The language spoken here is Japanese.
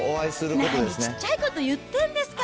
何ちっちゃいこと言ってるんですか。